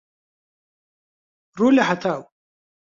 ڕوو لە هەتاو